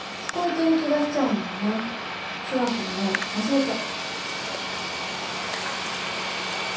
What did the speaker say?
手話するの忘れちゃう。